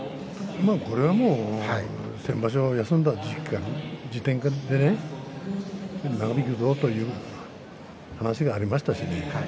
これはもう先場所休んだ時点から長引くぞという話がありましたしね。